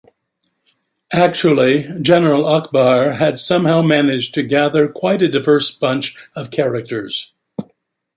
Actually, General Akbar had somehow managed to gather quite a diverse bunch of characters.